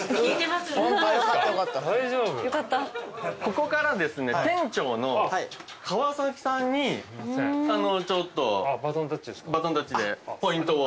ここからですね店長の川さんにちょっとバトンタッチでポイントを。